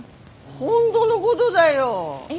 本当のごどだよ。